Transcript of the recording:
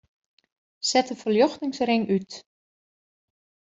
Set de ferljochtingsring út.